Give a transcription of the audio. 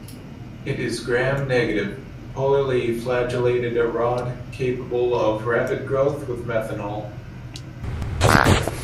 It is Gram-negative, polarly flagellated rod capable of rapid growth with methanol.